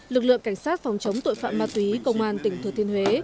lực lượng cảnh sát phòng chống tội phạm ma túy công an tỉnh thừa thiên huế